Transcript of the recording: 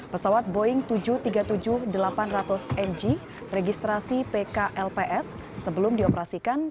pesawat boeing tujuh ratus tiga puluh tujuh delapan ratus ng registrasi pklps sebelum dioperasikan